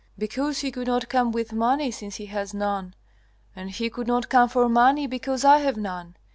'Because he could not come with money, since he has none, and he could not come for money, because I have none.'